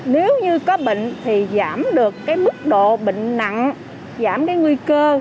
nếu như có bệnh thì giảm được cái mức độ bệnh nặng giảm cái nguy cơ